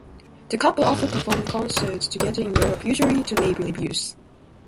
The couple often performed concerts together in Europe, usually to rave reviews.